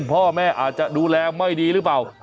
คนพอมาถึงรุ่นพ่อแม่อาจจะดูแลไม่ดีหรือเปล่า